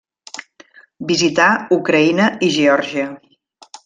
Visità Ucraïna i Geòrgia.